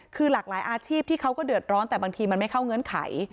คือหลากหลายอาชีพที่เขาก็เดือดร้อนแต่บางทีมันไม่เข้าเงื่อนไข